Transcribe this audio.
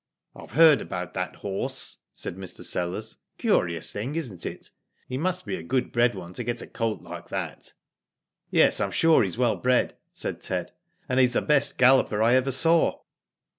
" I've heard about that horse," said Mr. Sellers. " Curious thing, isn't it ?" He must be a good bred one to get a colt like that." "Yes, I'm sure he's well bred," said Ted; "and he's the best galloper I ever saw."